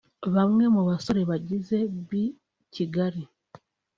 Bamwe mu basore bagize B-Kgl